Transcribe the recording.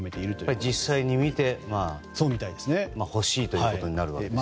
実際に見て、欲しいということになるわけですね。